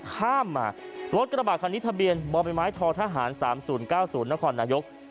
ข้ามมารถกระบาดคันนี้ทะเบียนบ่อใบไม้ททหาร๓๐๙๐นครนายก